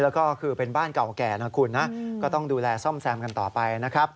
แล้วก็คือเป็นบ้านเก่าแก่นะคุณนะก็ต้องดูแลซ่อมแซมกันต่อไปนะครับ